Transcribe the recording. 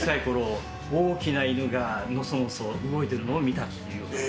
父も小さいころ、大きな犬がのそのそ動いてるのを見たっていうことを。